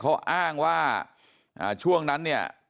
เขาอ้างว่าช่วงนั้นเนี่ย